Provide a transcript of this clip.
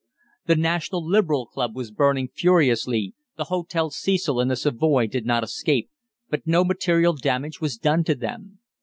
The National Liberal Club was burning furiously; the Hotel Cecil and the Savoy did not escape, but no material damage was done to them.